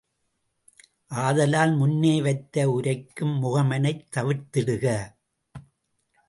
ஆதலால் முன்னே வைத்து உரைக்கும் முகமனைத் தவிர்த்திடுக!